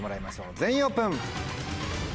全員オープン！